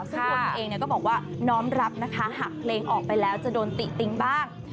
ซึ่งตัวเธอเองก็บอกว่าน้อมรับนะคะหากเพลงออกไปแล้วจะโดนติติ๊งบ้าง